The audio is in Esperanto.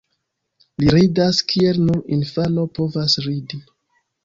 Li ridas kiel nur infano povas ridi.